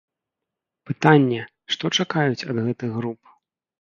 Пытанне, што чакаюць ад гэтых груп?